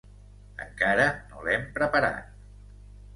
Encara no l'hem preparat.